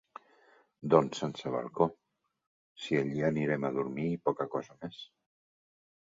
Doncs sense balcó, si allí anirem a dormir i poca cosa més.